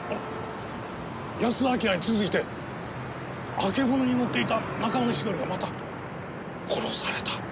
安田章に続いてあけぼのに乗っていた仲間の１人がまた殺された！